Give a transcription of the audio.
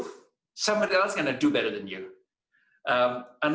seseorang lain akan melakukan lebih baik daripada anda